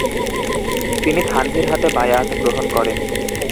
তিনি থানভীর হাতে বায়আত গ্রহণ করেন।